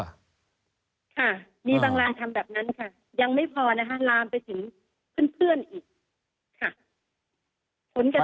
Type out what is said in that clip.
ค่ะมีบางลานทำแบบนั้นค่ะยังไม่พอนะคะลามไปถึงเพื่อนเพื่อนอีกค่ะ